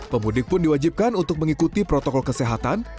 pemudik pun diwajibkan untuk mengikuti protokol kesehatan